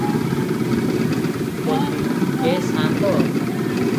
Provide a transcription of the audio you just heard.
ପଦୀ-ଏ ସାନ୍ତ!